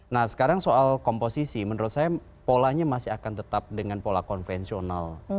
nah sekarang soal komposisi menurut saya polanya masih akan tetap dengan pola konvensional